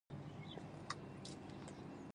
ژرندهګړی ژرنده کړي.